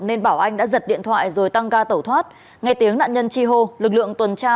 nên bảo anh đã giật điện thoại rồi tăng ga tẩu thoát ngay tiếng nạn nhân chi hô lực lượng tuần tra